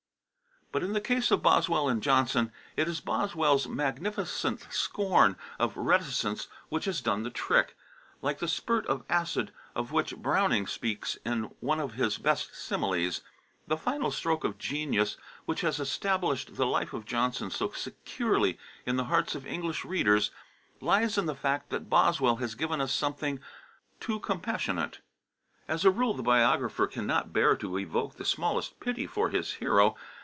But in the case of Boswell and Johnson, it is Boswell's magnificent scorn of reticence which has done the trick, like the spurt of acid, of which Browning speaks in one of his best similes. The final stroke of genius which has established the Life of Johnson so securely in the hearts of English readers, lies in the fact that Boswell has given us something to compassionate. As a rule the biographer cannot bear to evoke the smallest pity for his hero.